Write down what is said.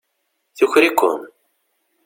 Tuker-iken.